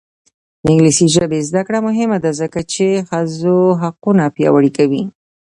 د انګلیسي ژبې زده کړه مهمه ده ځکه چې ښځو حقونه پیاوړي کوي.